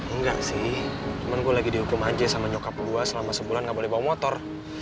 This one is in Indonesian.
enggak sih cuman gue lagi dihukum aja sama nyokap gue selama sebulan nggak boleh bawa motor